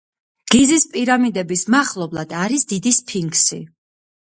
გიზის პირამიდების მახლობლად არის დიდი სფინქსი.